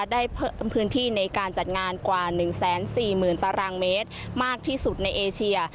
ได้เพิ่มพื้นที่ในการจัดงานกว่า๑๔๐๐๐ตารางเมตรมากที่สุดในเอเชีย